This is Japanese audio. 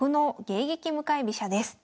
迎撃向かい飛車」です。